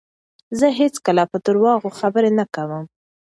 زه هیڅکله په درواغو خبرې نه کوم.